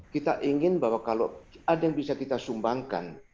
kita ingin bahwa kalau ada yang bisa kita sumbangkan